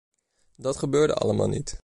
Dat gebeurde allemaal niet.